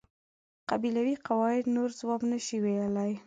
قبیلوي قواعد نور ځواب نشوای ویلای.